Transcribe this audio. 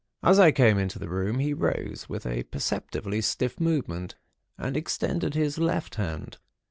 As I came into the room, he rose with a perceptibly stiff movement, and extended his left hand.